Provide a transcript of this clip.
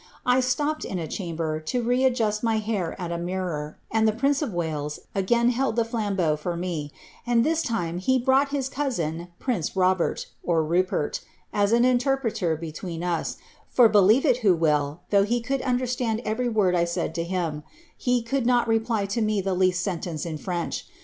I nopped in a chamber, to re adjust my hair at a mirror, and the prince of Wales again held the flambeau for me ; and this time he brought his cottsin, prince Robert, (Rupert,) as an interpreter between us, for believe n who will, though he could understand every word I said to him, he coold not reply to me the least sentence in French.